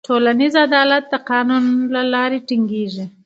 ټولنیز عدالت د قانون له لارې ټینګېږي.